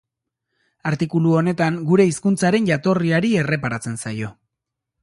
Artikulu honetan, gure hizkuntzaren jatorriari erreparatzen zaio.